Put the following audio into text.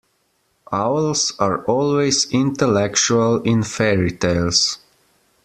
Owls are always intellectual in fairy-tales.